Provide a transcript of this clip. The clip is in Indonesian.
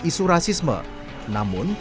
isu rasisme namun